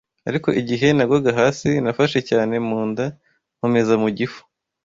Ariko igihe nagwaga hasi, nafashe cyane mu nda nkomeza mu gifu